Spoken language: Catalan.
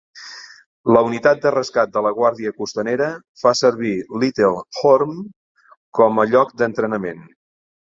La Unitat de Rescat de la Guàrdia Costanera fa servir Little Orme com a lloc d'entrenament.